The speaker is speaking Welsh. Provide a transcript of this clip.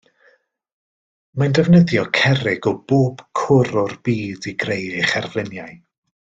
Mae'n defnyddio cerrig o bob cwr o'r byd i greu ei cherfluniau.